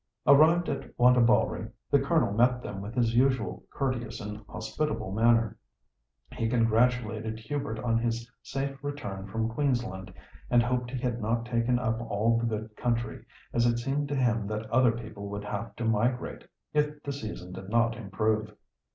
Arrived at Wantabalree, the Colonel met them with his usual courteous and hospitable manner. He congratulated Hubert on his safe return from Queensland, and hoped he had not taken up all the good country, as it seemed to him that other people would have to migrate, if the season did not improve.